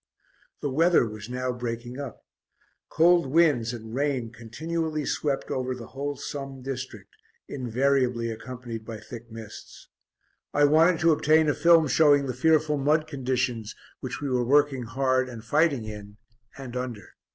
The weather was now breaking up. Cold winds and rain continually swept over the whole Somme district, invariably accompanied by thick mists. I wanted to obtain a film showing the fearful mud conditions, which we were working hard and fighting in and under.